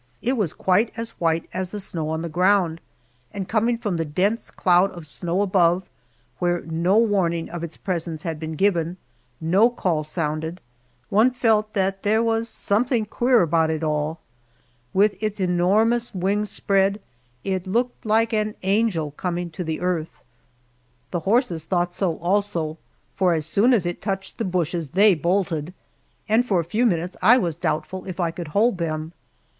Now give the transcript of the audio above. It was quite as white as the snow on the ground, and coming from the dense cloud of snow above, where no warning of its presence had been given, no call sounded, one felt that there was something queer about it all. With its enormous wings spread, it looked like an angel coming to the earth. The horses thought so, also, for as soon as it touched the bushes they bolted, and for a few minutes I was doubtful if I could hold them.